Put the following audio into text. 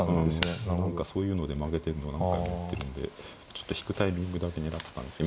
何かそういうので負けてんのは何回もやってるんでちょっと引くタイミングだけ狙ってたんです。